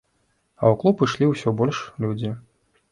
А ў клуб ішлі ўсё больш людзі.